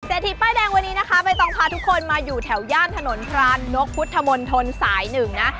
ทีป้ายแดงวันนี้นะคะใบตองพาทุกคนมาอยู่แถวย่านถนนพรานนกพุทธมนตรสายหนึ่งนะ